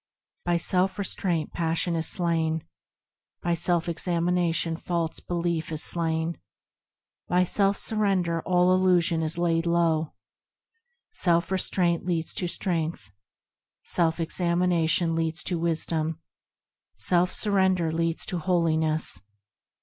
By self restraint passion is slain ; By self examination false belief is slain; By self surrender all illusion is laid low. Self restraint leads to strength ; Self examination leads to wisdom; Self surrender leads to holiness.